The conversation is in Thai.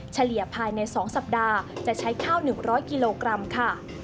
เฉลี่ยภายใน๒สัปดาห์จะใช้ข้าว๑๐๐กิโลกรัมค่ะ